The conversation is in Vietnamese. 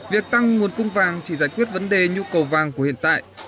việc tăng nguồn cung vàng chỉ giải quyết vấn đề nhu cầu vàng của hiện tại